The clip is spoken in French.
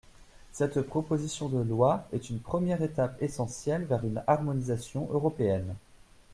Cette proposition de loi est une première étape essentielle vers une harmonisation européenne.